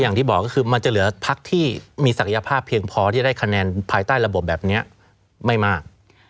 อย่างที่บอกก็คือมันจะเหลือพักที่มีศักยภาพเพียงพอที่จะได้คะแนนภายใต้ระบบแบบนี้ไม่มาก